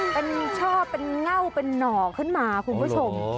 เป็นช่อเป็นเง่าเป็นหน่อขึ้นมาคุณผู้ชม